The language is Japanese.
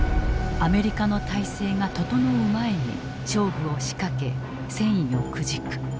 アメリカの体制が整う前に勝負を仕掛け戦意をくじく。